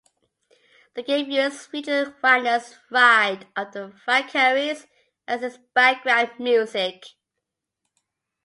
The game used Richard Wagner's "Ride of the Valkyries" as its background music.